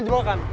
ini cuma jualan